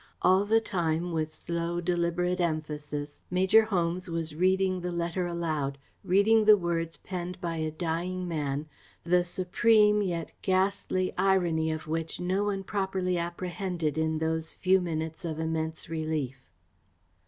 All the time, with slow, deliberate emphasis, Major Holmes was reading the letter aloud, reading the words penned by a dying man, the supreme yet ghastly irony of which no one properly apprehended in those few minutes of immense relief.